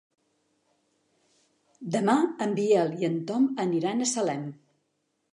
Demà en Biel i en Tom aniran a Salem.